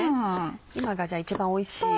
今が一番おいしい。